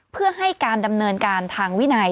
เพื่อให้การดำเนินการทางวินัย